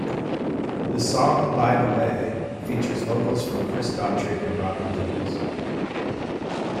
The song "By the Way" features vocals from Chris Daughtry and Robin Diaz.